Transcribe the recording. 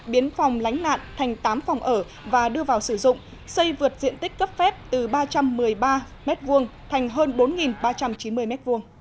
biến phòng lánh nạn thành tám phòng ở và đưa vào sử dụng xây vượt diện tích cấp phép từ ba trăm một mươi ba m hai thành hơn bốn ba trăm chín mươi m hai